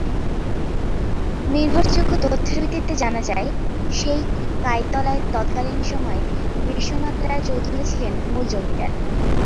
নির্ভরযোগ্য তথ্যের ভিত্তিতে জানা যায়, সেই কাইতলায় তৎকালীন সময়ে বিশ্বনাথ রায় চৌধুরী ছিলেন মূল জমিদার।